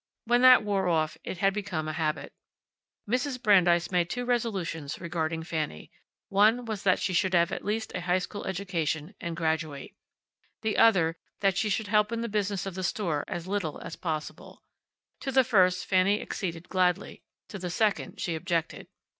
When that wore off it had become a habit. Mrs. Brandeis made two resolutions regarding Fanny. One was that she should have at least a high school education, and graduate. The other that she should help in the business of the store as little as possible. To the first Fanny acceded gladly. To the second she objected.